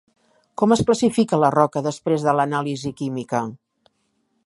Com es classifica la roca després de l'anàlisi química?